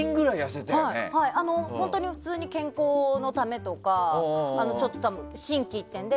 本当に普通に健康のためとかちょっと心機一転で。